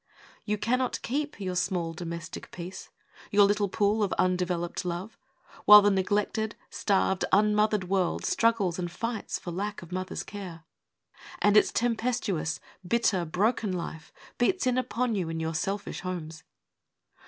You cannot keep your small domestic peace, Your little pool of undeveloped love, While the neglected, starved, unmothered world Struggles and fights for lack of mother's care, And its tempestuous, bitter, broken life Beats in upon you in your selfish homes.